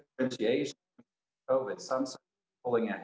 covid sembilan belas yang menarik seperti yang telah saya katakan sebelumnya